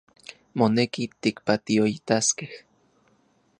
Moneki tikpatioitaskej